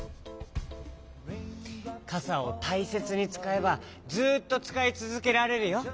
かさをたいせつにつかえばずっとつかいつづけられるよ。